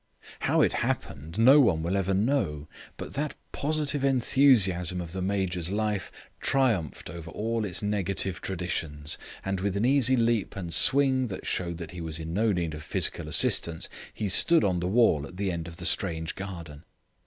How it happened no one will ever know but that positive enthusiasm of the Major's life triumphed over all its negative traditions, and with an easy leap and swing that showed that he was in no need of physical assistance, he stood on the wall at the end of the strange garden.